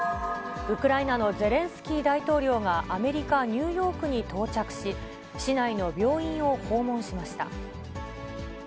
ウクライナのゼレンスキー大統領がアメリカ・ニューヨークに到着し、市内の病院を訪問しました。